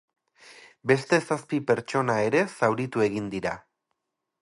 Beste zazpi pertsona ere zauritu egin dira.